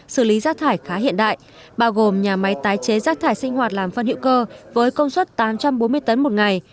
xử lý rác thải khá hiện đại bao gồm nhà máy tái chế rác thải sinh hoạt làm phân hữu cơ với công suất tám trăm bốn mươi tấn một ngày